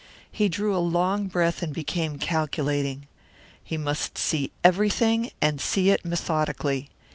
He drew a long breath and became calculating. He must see everything and see it methodically.